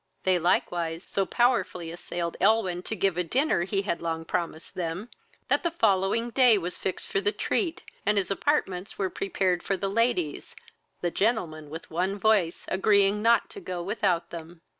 They likewise so powerfully assailed Elwyn to give a dinner he had long promised them, that the following day was fixed for the treat, and his apartments were prepared for the ladies, the gentlemen with one voice agreeing not to go without them.